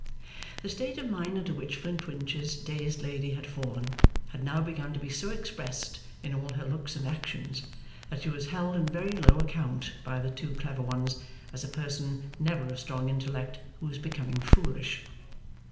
The state of mind into which Mr Flintwinch's dazed lady had fallen, had now begun to be so expressed in all her looks and actions that she was held in very low account by the two clever ones, as a person, never of strong intellect, who was becoming foolish.